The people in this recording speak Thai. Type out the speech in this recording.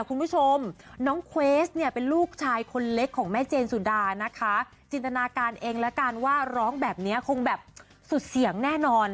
คุณผู้ชมค่ะนะคะจันราการเองและการว่าร้องแบบนี้คงแสดงแน่นอน